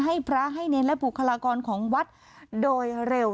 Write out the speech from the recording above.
ให้พระให้เนรและบุคลากรของวัดโดยเร็ว